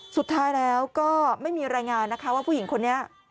สุดท้ายแล้วก็ไม่มีรายงานนะคะว่าผู้หญิงคนนี้